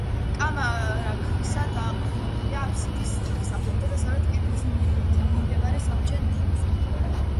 კამარა ქვისაა, დაყრდნობილია აფსიდის თაღსა და დასავლეთ კედლის მიმდებარე საბჯენ თაღზე.